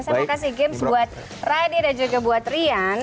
saya mau kasih games buat radi dan juga buat rian